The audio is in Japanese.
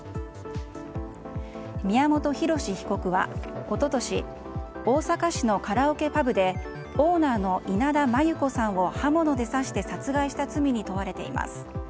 宮本浩志被告は一昨年大阪市のカラオケパブでオーナーの稲田真優子さんを刃物で刺して殺害した罪に問われています。